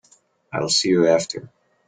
I'll see you after.